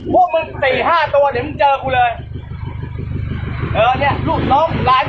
พวกมึงสี่ห้าตัวเดี๋ยวมึงเจอกูเลย